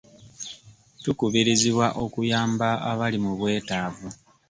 Tukubirizibwa okuyamba abali mu bwetaavu.